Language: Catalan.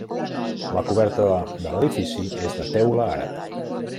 La coberta de l'edifici és de teula àrab.